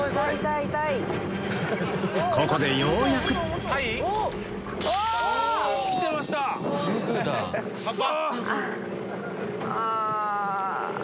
ここでようやくきてましたクソ！